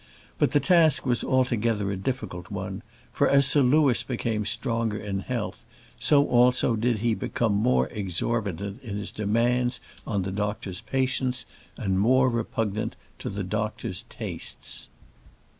But the task was altogether a difficult one, for as Sir Louis became stronger in health, so also did he become more exorbitant in his demands on the doctor's patience, and more repugnant to the doctor's tastes.